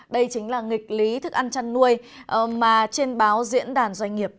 đây chính là nghịch lý thức ăn chăn nuôi mà trên báo diễn đàn doanh nghiệp